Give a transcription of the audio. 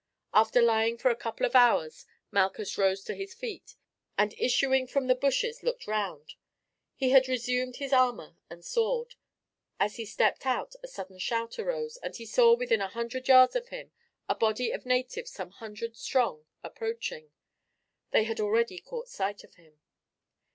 After lying for a couple of hours Malchus rose to his feet, and issuing from the bushes looked round. He had resumed his armour and sword. As he stepped out a sudden shout arose, and he saw within a hundred yards of him a body of natives some hundred strong approaching. They had already caught sight of him.